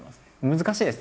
難しいですね